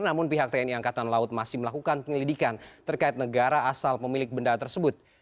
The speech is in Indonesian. namun pihak tni angkatan laut masih melakukan penyelidikan terkait negara asal pemilik benda tersebut